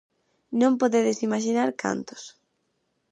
Non podedes imaxinar cantos.